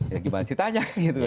ya gimana ceritanya